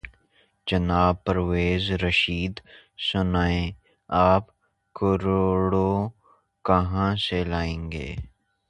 جناب پرویز رشید! سنائیں !آپ کروڑوں کہاں سے لائیں گے؟